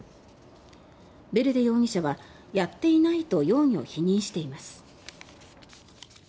ヴェルデ容疑者はやっていないと容疑を否認しています。